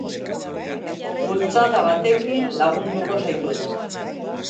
Bultzada batekin lagunduko zaitut.